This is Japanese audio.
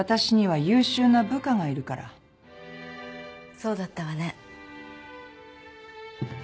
そうだったわね。